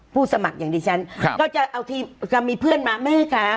สมัครอย่างดิฉันก็จะเอาทีมก็มีเพื่อนมาแม่คะ